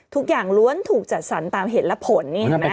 ทุกอย่างล้วนถูกจัดสรรค์ตามเหตุและผล